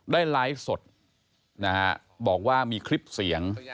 ได้ไลฟ์สดนะฮะบอกว่ามีคลิปเสียง